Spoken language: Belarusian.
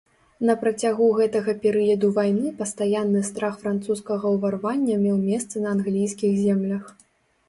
На працягу гэтага перыяду вайны пастаянны страх французскага ўварвання меў месца на англійскіх землях.